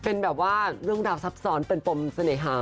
เป็นแบบว่าเรื่องราวซับซ้อนเป็นปมเสน่หา